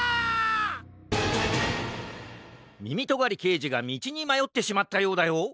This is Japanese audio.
みみとがりけいじがみちにまよってしまったようだよ。